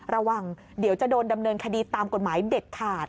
ระวังเดี๋ยวจะโดนดำเนินคดีตามกฎหมายเด็ดขาด